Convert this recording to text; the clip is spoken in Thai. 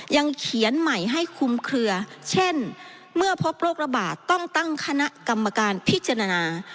ยังเขียนใหม่ให้คุ้มเคลือเช่นเมื่อพบโรคระบาดต้องตั้งคณะกรรมการพิจารณา